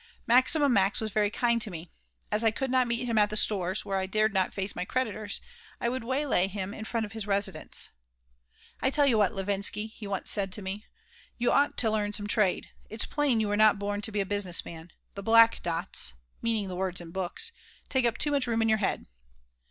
Maximum Max was very kind to me. As I could not meet him at the stores, where I dared not face my creditors, I would waylay him in front of his residence "I tell you what, Levinsky," he once said to me. "You ought to learn some trade. It's plain you were not born to be a business man. The black dots [meaning the words in books] take up too much room in your head."